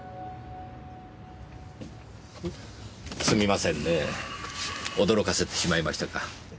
すみませんねぇ驚かせてしまいましたか。